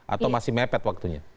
atau masih mepet waktunya